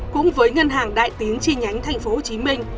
cũng với ngân hàng đại tín chi nhánh tp hcm